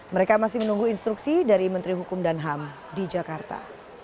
mereka masih menunggu instruksi dari menteri hukum dan ham di jakarta